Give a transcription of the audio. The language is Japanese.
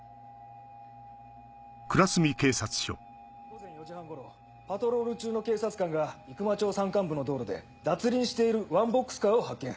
午前４時半頃パトロール中の警察官が行真町山間部の道路で脱輪しているワンボックスカーを発見。